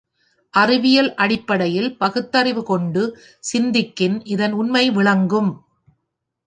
அறிவியல் அடிப்படையில் பகுத்தறிவு கொண்டு சிந்திக்கின் இதன் உண்மை விளங்கும்.